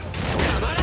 黙れ！